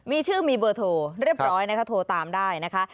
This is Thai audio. มีชื่อมีเบอร์โทรเรียบร้อยนะคะโทรตามได้นะคะ